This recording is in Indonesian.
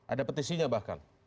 ada petisinya bahkan